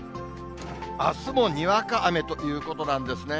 あすもにわか雨ということなんですね。